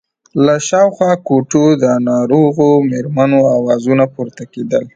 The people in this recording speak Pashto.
له شاوخوا کوټو د ناروغو مېرمنو آوازونه پورته کېدل.